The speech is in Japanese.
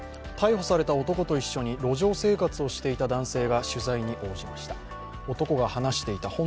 逮捕された男と一緒に路上生活をしていた男性が取材に応じました。